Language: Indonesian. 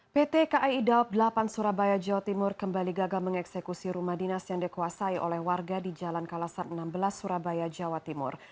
pt kai daob delapan surabaya jawa timur kembali gagal mengeksekusi rumah dinas yang dikuasai oleh warga di jalan kalasan enam belas surabaya jawa timur